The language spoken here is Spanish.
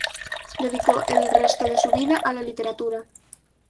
Dedicó el resto de su vida a la literatura.